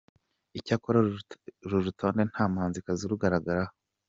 Icyakora uru rutonde nta muhanzikazi urugaragaraho.